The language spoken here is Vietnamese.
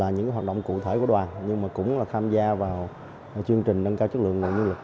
những hoạt động cụ thể của đoàn nhưng mà cũng tham gia vào chương trình nâng cao chất lượng nguồn nhân lực